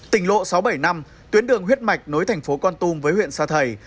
tỉnh lộ sáu bảy năm tuyến đường huyết mạch nối thành phố con tum với huyện sa thầy